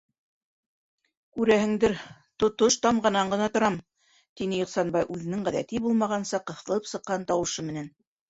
Күрәһеңдер: тотош тамғанан ғына торам, - тине Ихсанбай үҙенең ғәҙәти булмағанса ҡыҫылып сыҡҡан тауышы менән.